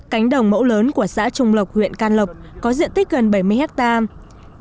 cánh đồng mẫu lớn của xã trung lộc huyện can lộc có diện tích gần bảy mươi hectare